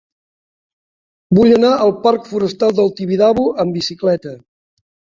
Vull anar al parc Forestal del Tibidabo amb bicicleta.